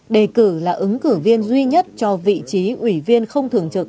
đề cử là ứng cử viên duy nhất cho vị trí ủy viên không thường trực